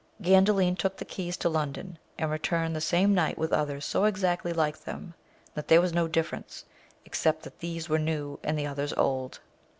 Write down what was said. Gandalin took the keys to London, and returned that same night with others so exactly like them, that there was no difference, except that these were new and the others old.